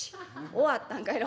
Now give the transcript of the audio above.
「終わったんかい。